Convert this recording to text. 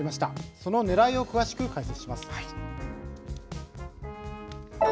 そのねらいを詳しく解説します。